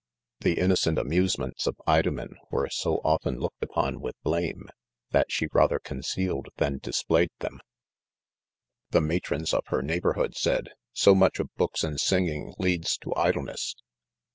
The innocent amuse ments of Idomen were so often looked upon with blame, that die r fitter concealed than dis played them. THB FIRESIDE. < If The matrons of her neighborhood said, " so much of books and singing leads to idleness."